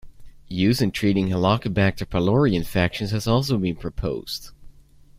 Use in treating "Helicobacter pylori" infections has also been proposed.